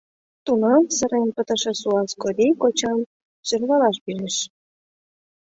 Тунам сырен пытыше суас Кори кочам сӧрвалаш пижеш.